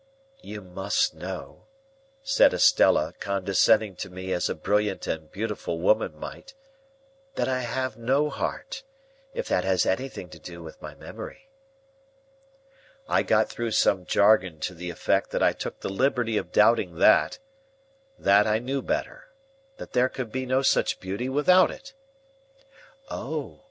"You must know," said Estella, condescending to me as a brilliant and beautiful woman might, "that I have no heart,—if that has anything to do with my memory." I got through some jargon to the effect that I took the liberty of doubting that. That I knew better. That there could be no such beauty without it. "Oh!